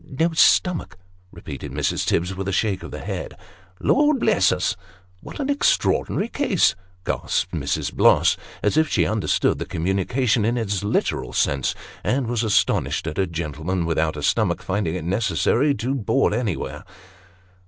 " No stomach," repeated Mrs. Tibbs, with a shake of the head. " Lord bless us ! what an extraordinary case !" gasped Mrs. Bloss, as if she understood the communication in its literal sense, and was astonished at a gentleman without a stomach finding it necessary to board anywhere.